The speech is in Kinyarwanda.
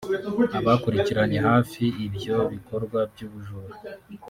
Abakurikiraniye hafi ibyo bikorwa by’ubujura